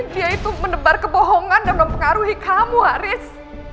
dia itu mendebar kebohongan dan mempengaruhi kamu haris